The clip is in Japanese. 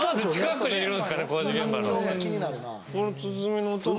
この鼓の音も。